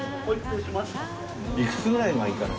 いくつぐらいがいいかな？